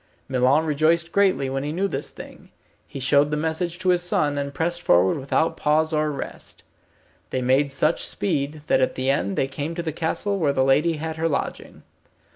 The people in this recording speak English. Milon rejoiced greatly when he knew this thing. He showed the message to his son, and pressed forward without pause or rest. They made such speed, that at the end they came to the castle where the lady had her lodging.